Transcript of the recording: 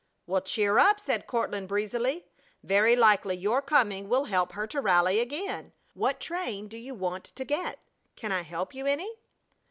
"Well, cheer up!" said Courtland, breezily. "Very likely your coming will help her to rally again! What train do you want to get? Can I help you any?"